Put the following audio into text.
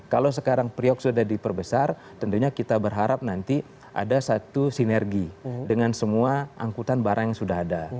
kalau sekarang priok sudah diperbesar tentunya kita berharap nanti ada satu sinergi dengan semua angkutan barang yang sudah ada